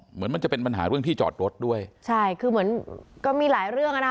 เหมือนมันจะเป็นปัญหาเรื่องที่จอดรถด้วยใช่คือเหมือนก็มีหลายเรื่องอ่ะนะคะ